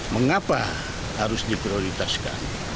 mengapa harus diprioritaskan